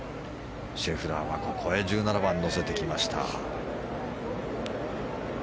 シェフラーはここで１７番、乗せてきました。